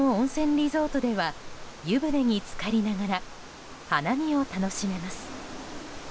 リゾートでは湯船に浸かりながら花見を楽しめます。